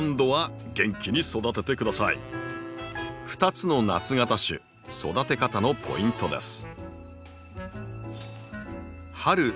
２つの夏型種育て方のポイントです。